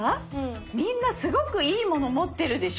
みんなすごくいいもの持ってるでしょ？